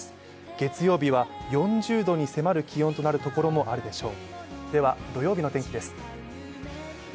月曜日は４０度に迫る気温となるところもあるでしょう。